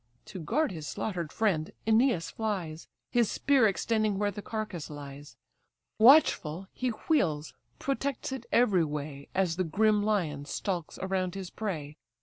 To guard his slaughter'd friend, Æneas flies, His spear extending where the carcase lies; Watchful he wheels, protects it every way, As the grim lion stalks around his prey.